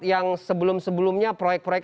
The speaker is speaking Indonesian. yang sebelum sebelumnya proyek proyek